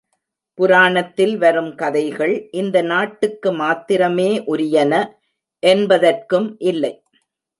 புராணத்தில் வரும் கதைகள் இந்த நாட்டுக்கு மாத்திரமே உரியன என்பதற்கும் இல்லை.